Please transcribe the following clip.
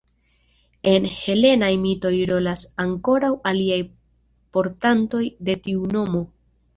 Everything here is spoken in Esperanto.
En helenaj mitoj rolas ankoraŭ aliaj portantoj de tiu nomo.